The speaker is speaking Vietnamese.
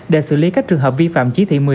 để xử lý các trường hợp vi phạm chỉ thị một mươi